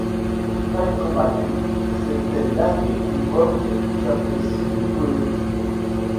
Très combatif, c'était l'un des coureurs les plus appréciés du peloton.